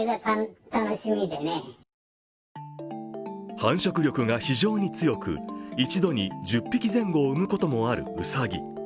繁殖力が非常に強く一度に１０匹前後を産むこともあるうさぎ。